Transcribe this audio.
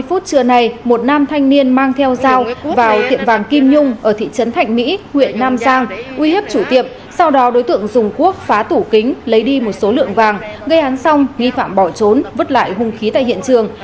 uy hiếp chủ tiệm sau đó đối tượng dùng cuốc phá tủ kính lấy đi một số lượng vàng gây án xong nghi phạm bỏ trốn vứt lại hung khí tại hiện trường